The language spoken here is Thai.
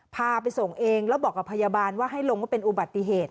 พาไปส่งเองแล้วบอกกับพยาบาลว่าให้ลงว่าเป็นอุบัติเหตุ